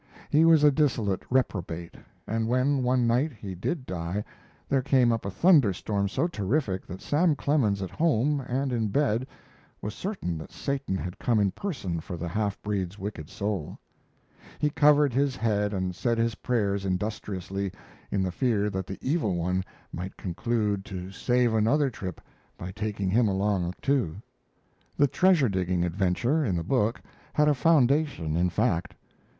He was a dissolute reprobate, and when, one night, he did die there came up a thunder storm so terrific that Sam Clemens at home and in bed was certain that Satan had come in person for the half breed's wicked soul. He covered his head and said his prayers industriously, in the fear that the evil one might conclude to save another trip by taking him along, too. The treasure digging adventure in the book had a foundation in fact.